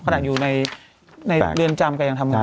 ขนาดอยู่ในเรือนจำแกยังทำงาน